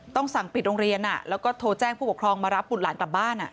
ต้องสั่งปิดโรงเรียนแล้วก็โทรแจ้งผู้ปกครองมารับบุตรหลานกลับบ้าน